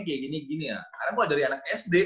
kayak gini gini lah karena gue dari anak sd